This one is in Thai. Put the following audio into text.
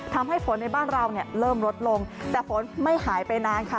ทำให้ฝนในบ้านเราเนี่ยเริ่มลดลงแต่ฝนไม่หายไปนานค่ะ